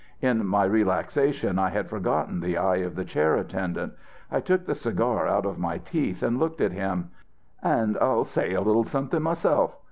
In my relaxation I had forgotten the eye of the chair attendant. I took the cigar out of my teeth and looked at him. "'And I'll say a little something myself!'